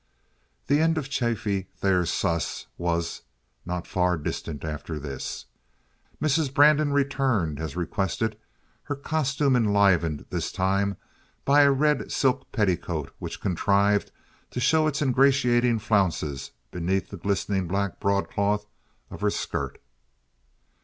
The end of Chaffee Thayer Sluss was not far distant after this. Mrs. Brandon returned, as requested, her costume enlivened this time by a red silk petticoat which contrived to show its ingratiating flounces beneath the glistening black broadcloth of her skirt.